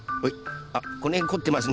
あっこのへんこってますね。